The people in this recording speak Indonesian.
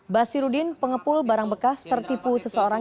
basirudin pengepul barang bekas tertipu seseorang